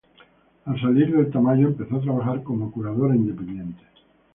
Al salir del Tamayo empezó a trabajar como curadora independiente.